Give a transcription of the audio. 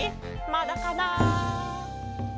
まだかな？